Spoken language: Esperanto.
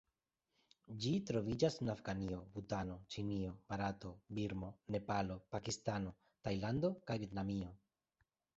Ĝi troviĝas en Afganio, Butano, Ĉinio, Barato, Birmo, Nepalo, Pakistano, Tajlando kaj Vjetnamio.